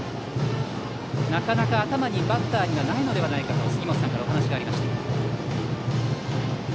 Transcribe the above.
なかなかバッターの頭にはないのではないかという杉本さんからお話がありました。